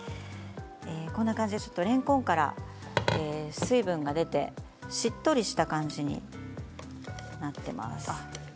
こんな感じでれんこんから水分が出てしっとりした感じになっています。